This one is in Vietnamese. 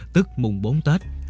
tức mùng bốn tết